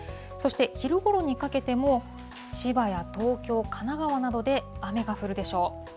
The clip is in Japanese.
そして昼ごろにかけても、千葉や東京、神奈川などで雨が降るでしょう。